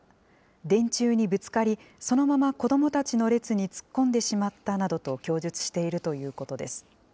電柱にぶつかり、そのまま子どもたちの列に突っ込んでしまったなどと供述しているということです。